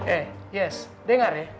eh yes dengar ya